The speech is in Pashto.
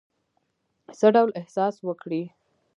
څه ډول احساس وکړی.